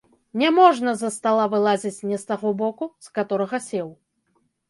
Не можна з-за стала вылазіць не з таго боку, з каторага сеў.